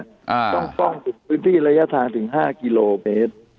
ต้องป้องพื้นที่ระยะทางถึงห้ากิโลเมตร